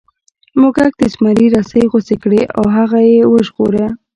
موږک د زمري رسۍ غوڅې کړې او هغه یې وژغوره.